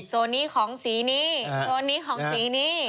โซนนี้ของสีนี้โซนนี้ของสีนี้